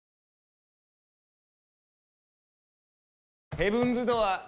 ヘブンズ・ドアー。